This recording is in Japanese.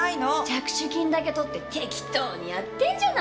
着手金だけ取って適当にやってんじゃないの？